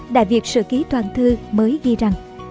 đại việt sự ký toàn thư mới ghi rằng